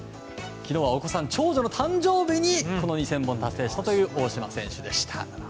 昨日はお子さん、長女の誕生日に２０００本を達成したという大島選手でした。